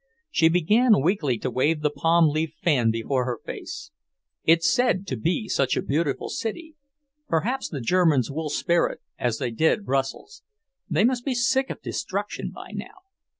She began weakly to wave the palm leaf fan before her face. "It's said to be such a beautiful city. Perhaps the Germans will spare it, as they did Brussels. They must be sick of destruction by now.